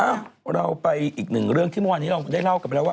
เราไปอีกหนึ่งเรื่องที่เมื่อวานนี้เราได้เล่ากันไปแล้วว่า